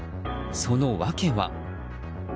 その訳は。